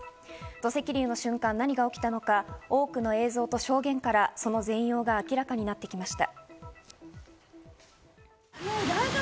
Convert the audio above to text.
土石流の瞬間、何が起きたのか、多くの映像と証言から、その全容が明らかになってきました。